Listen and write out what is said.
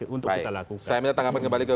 untuk kita lakukan saya minta tanggapan kembali ke